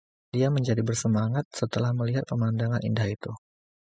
Dia menjadi bersemangat setelah melihat pemandangan indah itu.